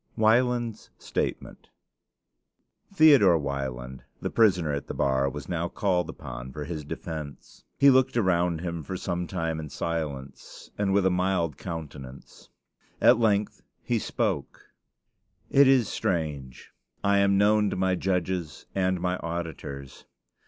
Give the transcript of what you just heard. WIELAND'S STATEMENT Theodore Wieland, the prisoner at the bar, was now called upon for his defense. He looked around him for some time in silence, and with a mild countenance. At length he spoke: It is strange: I am known to my judges and my auditors.